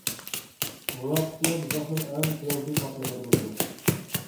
مۇناپىقلار دوزاخنىڭ ئەڭ تۆۋەنكى قاتلىمىدا بولىدۇ.